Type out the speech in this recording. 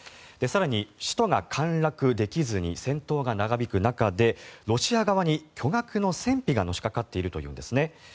更に首都が陥落できずに戦闘が長引く中でロシア側に巨額の戦費がのしかかっているというんですね。